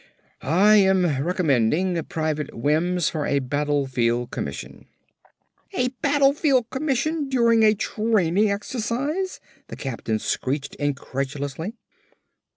"I am recommending Private Wims for a battlefield commission." "A battlefield commission during a training exercise?" the captain screeched incredulously.